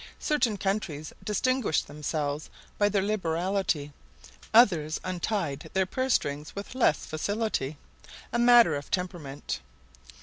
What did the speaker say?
Certain countries distinguished themselves by their liberality; others untied their purse strings with less facility—a matter of temperament.